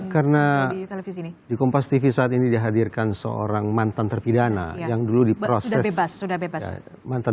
karena di kompas tv saat ini dihadirkan seorang mantan terpidana yang dulu diproses mbak mantan